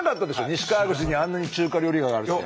西川口にあんなに中華料理屋があるって。